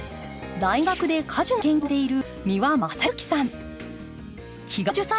大学で果樹の研究をしている三輪正幸さん。